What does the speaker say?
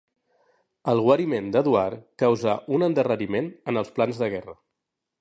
El guariment d'Eduard causà un endarreriment en els plans de guerra.